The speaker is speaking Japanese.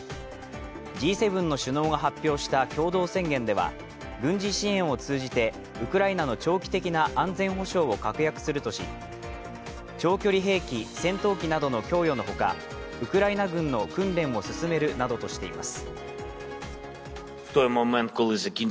Ｇ７の首脳が発表した共同宣言では軍事支援を通じてウクライナの長期的な安全保障を確約するとし長距離兵器、戦闘機などの供与のほかウクライナ軍の訓練を進めるなどとしています。